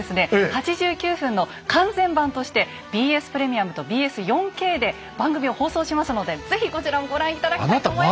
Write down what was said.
８９分の完全版としてＢＳプレミアムとＢＳ４Ｋで番組を放送しますので是非こちらもご覧頂きたいと思います。